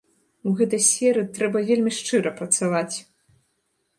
У гэтай сферы трэба вельмі шчыра працаваць.